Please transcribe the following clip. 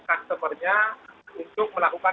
customer nya untuk melakukan